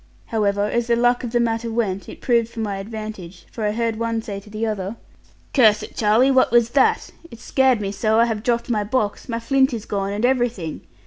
However, as the luck of the matter went, it proved for my advantage; for I heard one say to the other, 'Curse it, Charlie, what was that? It scared me so, I have dropped my box; my flint is gone, and everything.